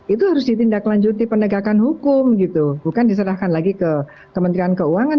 itu harus ditindaklanjuti penegakan hukum gitu bukan diserahkan lagi ke kementerian keuangan